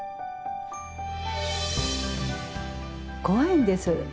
怖いんです。